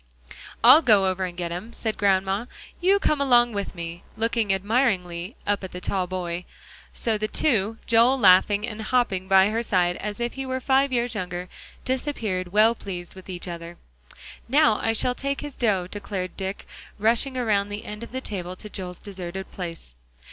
"I'll go over and get 'em," said Grandma; "you come along with me," looking admiringly up at the tall boy; so the two, Joel laughing and hopping by her side as if he were five years younger, disappeared, well pleased with each other. "Now I shall take his dough," declared Dick, rushing around the end of the table to Joel's deserted place.